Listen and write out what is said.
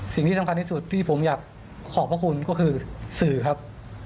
สิ่งที่สำคัญที่สุดที่ผมอยากขอบพระคุณก็คือสื่อครับ